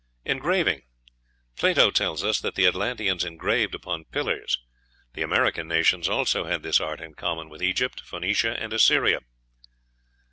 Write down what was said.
Engraving. Plato tells us that the Atlanteans engraved upon pillars. The American nations also had this art in common with Egypt, Phoenicia, and Assyria.